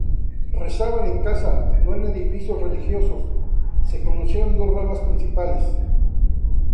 Rezaban en casa, no en edificios religiosos.Se conocieron dos ramas principales.